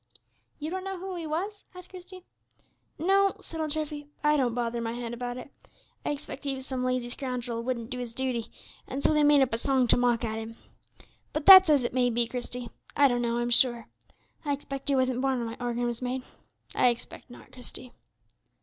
"You don't know who he was?" asked Christie. "No," said old Treffy, "I don't bother my head about it. I expect he was some lazy scoundrel who wouldn't do his duty, and so they made up a song to mock at him. But that's as it may be, Christie; I don't know, I'm sure. I expect he wasn't born when my organ was made; I expect not, Christie."